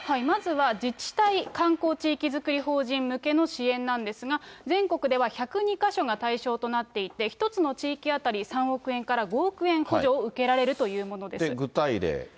まずは自治体、観光地域づくり法人向けの支援なんですが、全国では１０２か所が対象となっていて、一つの地域当たり３億円から５億円、補助を受けられるというもの具体例。